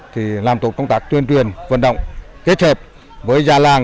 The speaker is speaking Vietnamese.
thì làm tốt công tác tuyên truyền vận động kết hợp với gia làng